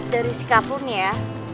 dari sikap lu nih ya